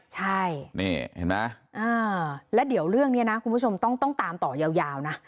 ใช่นี่เห็นไหมแล้วเดี๋ยวเรื่องนี้นะคุณผู้ชมต้องตามต่อยาวนะ